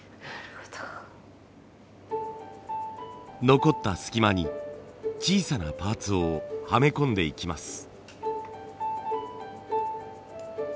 残った隙間に小さなパーツをはめ込んでいきます。